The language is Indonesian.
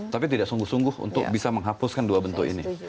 tapi tidak sungguh sungguh untuk bisa menghapuskan dua bentuk ini